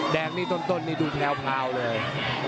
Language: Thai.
แดงนี้ต้นดูแนวพราวเลย